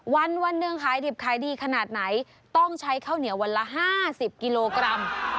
วันวันหนึ่งขายดิบขายดีขนาดไหนต้องใช้ข้าวเหนียววันละ๕๐กิโลกรัม